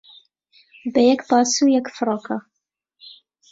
بە یەک باس و یەک فڕۆکە